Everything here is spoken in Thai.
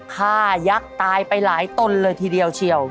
ฆ่ายักษ์ตายไปหลายตนเลยทีเดียวเชียว